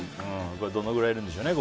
どのくらいいるんでしょうね。